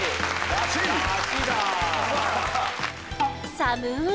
寒い